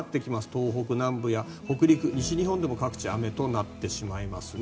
東北南部や北陸、西日本でも各地雨となってしまいますね。